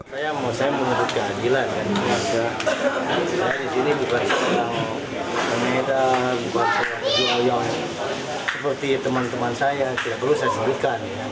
hukuman dua tahun ada juga yang naik